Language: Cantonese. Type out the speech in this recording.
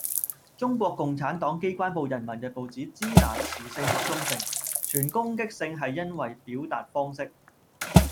中國共產黨機關報人民日報指「支那」詞性屬中性，存攻擊性係因為表達方式